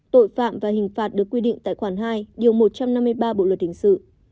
tội phạm và hình phạt được quy định tại khoản hai điều một trăm năm mươi ba bộ luật hình sự